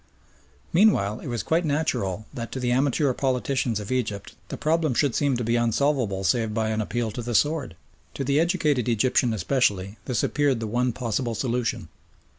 Meanwhile it was quite natural that to the amateur politicians of Egypt the problem should seem to be unsolvable save by an appeal to the sword. To the educated Egyptian especially this appeared the one possible solution.